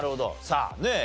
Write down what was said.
さあねえ